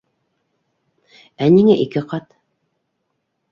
- Ә ниңә ике ҡат?